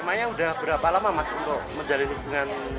emangnya udah berapa lama mas untuk menjalani lingkungan ini